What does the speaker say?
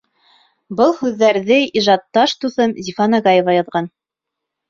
Был һүҙҙәрҙе ижадташ дуҫым Зифа Нагаева яҙған.